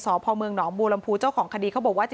สพนบูรมภูเจ้าของคดีเขาบอกว่า